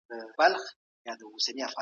ایا تکړه پلورونکي وچه الوچه پلوري؟